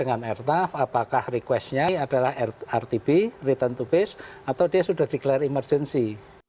apakah requestnya dengan airtuff adalah rtb return to base atau dia sudah declare emergency